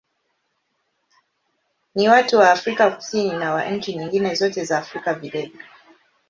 Ni wa watu wa Afrika Kusini na wa nchi nyingine zote za Afrika vilevile.